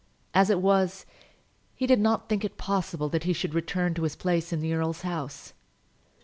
As it was, he did not think it possible that he should return to his place in the earl's house.